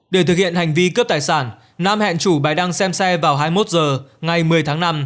để thực hiện hành vi cướp tài sản nam hẹn chủ bài đăng xem xe vào hai mươi một h ngày một mươi tháng năm